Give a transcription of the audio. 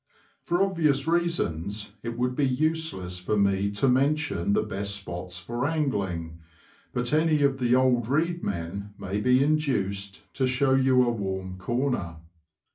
For obvious reasons, it would be useless for me to mention the best spots for angling; but any of the old reed men may be induced to show you a warm corner.